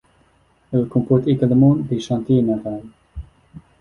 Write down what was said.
Elle comporte également des chantiers navals.